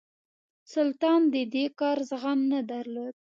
سلطان د دې کار زغم نه درلود.